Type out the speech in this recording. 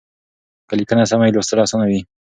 که ليکنه سمه وي لوستل اسانه وي.